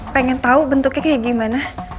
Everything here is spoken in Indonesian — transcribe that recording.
pengen tahu bentuknya kayak gimana